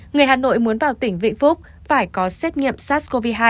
người hà nội muốn vào tỉnh vĩnh phúc phải có xét nghiệm sars cov hai